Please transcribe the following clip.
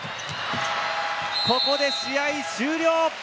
ここで試合終了。